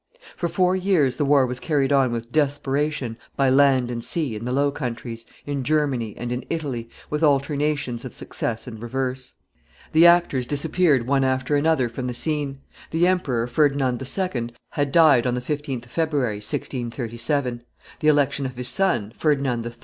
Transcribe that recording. For four years the war was carried on with desperation by land and sea in the Low Countries, in Germany, and in Italy, with alternations of success and reverse. The actors disappeared one after another from the scene; the emperor, Ferdinand II., had died on the 15th of February, 1637; the election of his son, Ferdinand III.